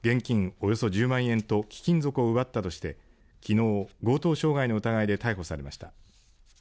およそ１０万円と貴金属を奪ったとしてきのう強盗傷害の疑いで逮捕されました。